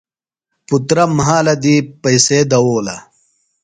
پُترہ مھالہ دی پیئسے دؤولہ۔